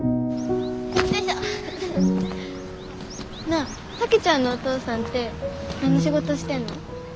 なあ咲妃ちゃんのお父さんて何の仕事してんの？